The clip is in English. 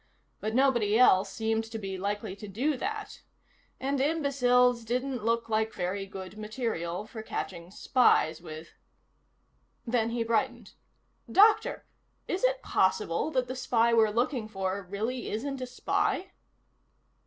But nobody else seemed to be likely to do that. And imbeciles didn't look like very good material for catching spies with. Then he brightened. "Doctor, is it possible that the spy we're looking for really isn't a spy?"